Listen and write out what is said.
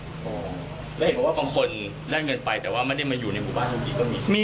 แล้วเห็นบอกว่าบางคนได้เงินไปแต่ว่าไม่ได้มาอยู่ในหมู่บ้านบางทีก็มี